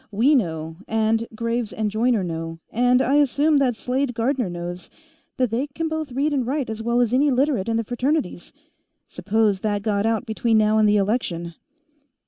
"We know, and Graves and Joyner know, and I assume that Slade Gardner knows, that they can both read and write as well as any Literate in the Fraternities. Suppose that got out between now and the election?"